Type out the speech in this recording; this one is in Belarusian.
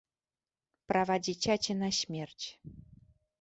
Права дзіцяці на смерць.